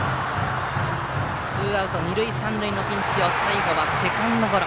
ツーアウト二塁三塁のピンチを最後はセカンドゴロ。